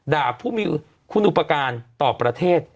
ผู้มีคุณอุปการณ์ต่อประเทศ